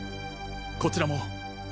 こちらも。